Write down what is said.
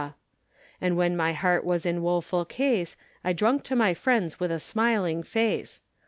And when my heart was in wofull case, I drunke to my friends with a smiling face.